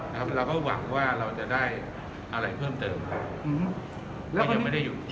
เราก็หวังว่าเราจะได้อะไรเพิ่มเติมครับเรายังไม่ได้หยุด